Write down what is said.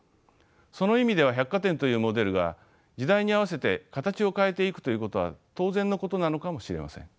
その意味では百貨店というモデルが時代に合わせて形を変えていくということは当然のことなのかもしれません。